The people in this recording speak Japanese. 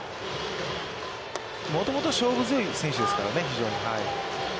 もともと勝負強い選手ですからね、非常に。